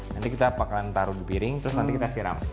nanti kita akan taruh di piring terus nanti kita siram